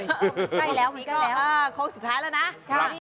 ได้แล้วมันก็แล้วอ่าคงสุดท้ายแล้วนะใช่